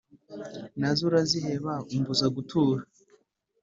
nazo uraziheba umbuza gutura